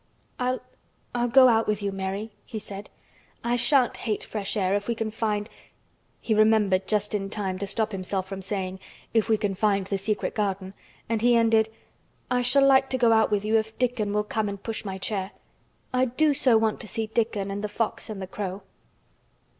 "I'll—I'll go out with you, Mary," he said. "I shan't hate fresh air if we can find—" He remembered just in time to stop himself from saying "if we can find the secret garden" and he ended, "I shall like to go out with you if Dickon will come and push my chair. I do so want to see Dickon and the fox and the crow."